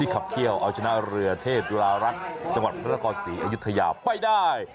ขับเขี้ยวเอาชนะเรือเทพจุฬารัฐจังหวัดพระนครศรีอยุธยาไปได้